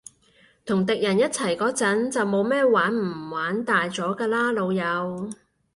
同敵人一齊嗰陣，就冇咩玩唔玩大咗㗎喇，老友